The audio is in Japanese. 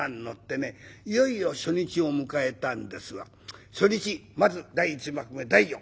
いよいよ初日を迎えたんですが初日まず第一幕目大序。